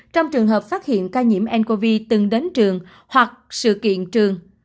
trong trường hợp phát hiện ca nhiễm ncov từng đến trường hoặc sự kiện trường